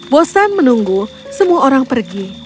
bosan menunggu semua orang pergi